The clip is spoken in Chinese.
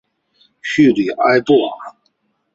叙里埃布瓦。